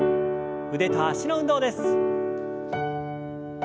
腕と脚の運動です。